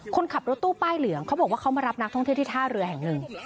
คนขับรถตู้ป้ายเหลืองเขาบอกว่าเขามารับนักท่องเที่ยวที่ท่าเรือแห่งหนึ่ง